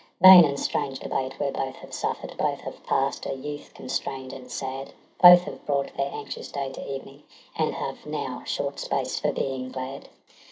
Vain and strange debate, where both have suffer' d, Both have pass'd a youth constrain'd and sad. Both have brought their anxious day to evening, And have now short space for being glad